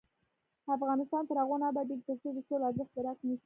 افغانستان تر هغو نه ابادیږي، ترڅو د سولې ارزښت درک نشي.